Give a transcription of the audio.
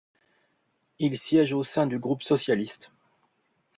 Il siège au sein du groupe Socialiste.